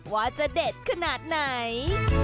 ว่าจะเด็ดขนาดไหน